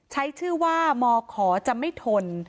ใช้ชื่อว่ามขจะไม่ทน